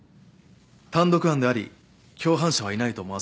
単独犯であり共犯者はいないと思わせる。